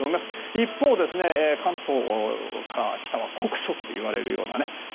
一方、関東から北は酷暑といわれるような。